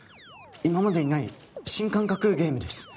今までにない新感覚ゲームです